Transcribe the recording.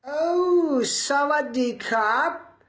เอ้าสวัสดีครับ